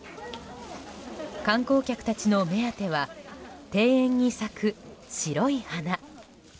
観光客たちの目当ては庭園に咲く白い花。